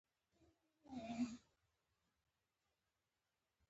جراحي عملیات په ابتدایی ډول کیدل